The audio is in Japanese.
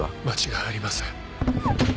間違いありません。